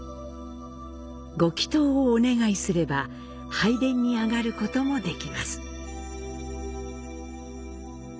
ご祈祷をお願いすれば、拝殿に上がることもできます。